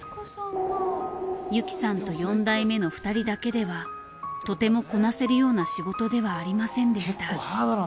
ユキさんと４代目の２人だけではとてもこなせるような仕事ではありませんでした。